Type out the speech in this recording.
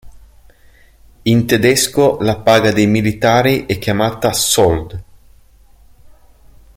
In tedesco la paga dei militari è chiamata "Sold".